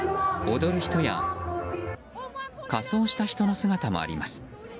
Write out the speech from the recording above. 踊る人や仮装した人の姿もあります。